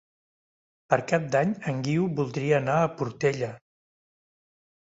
Per Cap d'Any en Guiu voldria anar a la Portella.